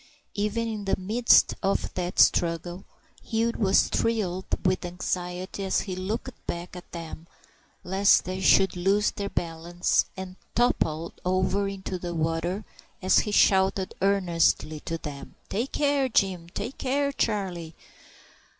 Even in the midst of that struggle Hugh was thrilled with anxiety as he looked back at them lest they should lose their balance and topple over into the water, and he shouted earnestly to them,— "Take care, Jim! Take care, Charlie!"